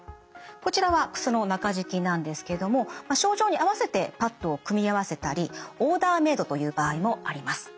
こちらは靴の中敷きなんですけども症状に合わせてパットを組み合わせたりオーダーメードという場合もあります。